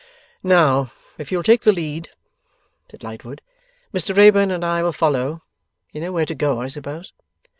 'Now, if you will take the lead,' said Lightwood, 'Mr Wrayburn and I will follow. You know where to go, I suppose?